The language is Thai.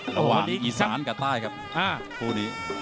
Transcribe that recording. ระหว่างอีสานกับใต้ครับคู่นี้